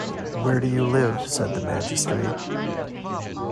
‘Where do you live?’ said the magistrate.